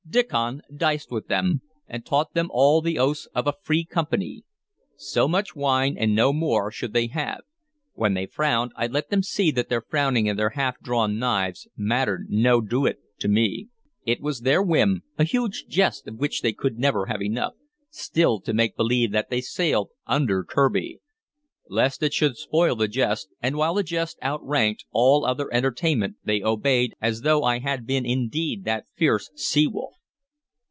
Diccon diced with them, and taught them all the oaths of a free company. So much wine, and no more, should they have; when they frowned, I let them see that their frowning and their half drawn knives mattered no doit to me. It was their whim a huge jest of which they could never have enough still to make believe that they sailed under Kirby. Lest it should spoil the jest, and while the jest outranked all other entertainment, they obeyed as though I had been indeed that fierce sea wolf.